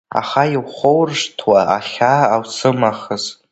Аха иухоуршҭуа ахьаа аусымахыз?